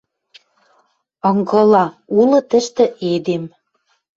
Ынгыла, улы тӹштӹ эдем